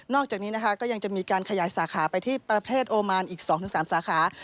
จากนี้นะคะก็ยังจะมีการขยายสาขาไปที่ประเทศโอมานอีก๒๓สาขา